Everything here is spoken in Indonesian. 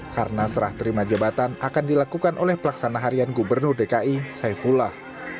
karena serah terima jabatan akan dilakukan oleh pelaksana harian gubernur dki saifullah